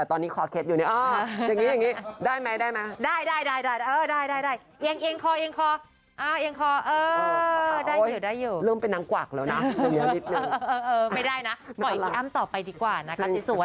เอ่อเออเออไม่ได้นะโปะไอ้พี่อ้ำต่อไปดีกว่านะคะจังสวย